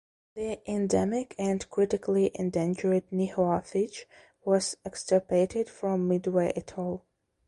The endemic and critically endangered Nihoa finch was extirpated from Midway Atoll.